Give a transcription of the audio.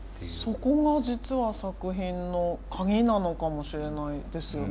そこが実は作品の鍵なのかもしれないですよね。